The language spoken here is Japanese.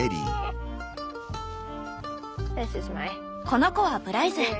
この子はプライズ。